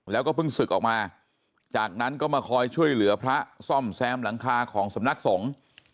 แล้วก็เพิ่งศึกออกมาจากนั้นก็มาคอยช่วยเหลือพระซ่อมแซมหลังคาของสำนักสงฆ์